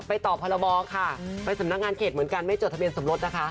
ต่อพรบค่ะไปสำนักงานเขตเหมือนกันไม่จดทะเบียนสมรสนะคะ